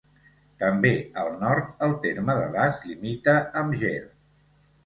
També al nord el terme de Das limita amb Ger.